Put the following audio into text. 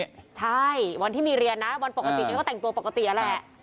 ใช่วันที่มีเรียนนะวันปกติแกก็แต่งตัวปกตินั่นแหละ